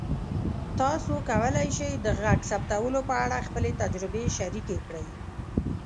تاسو کولی شئ د غږ ثبتولو په اړه خپلې تجربې شریکې کړئ.